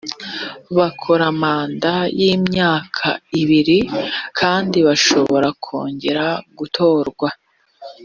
bakora manda y’imyaka ibiri kandi bashobora kongera gutorwa